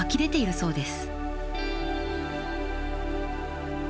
そうです。